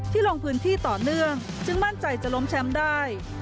ลงพื้นที่ต่อเนื่องจึงมั่นใจจะล้มแชมป์ได้